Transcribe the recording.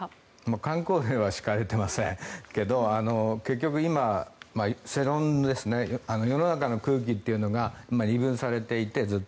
かん口令は敷かれていませんが結局、今世論、世の中の空気っていうのが二分されていて、ずっと。